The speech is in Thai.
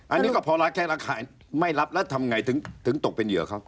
อันนี้ก็พอแล้วแค่รักษาไม่รับแล้วทำไงถึงถึงตกเป็นเหยื่อเขา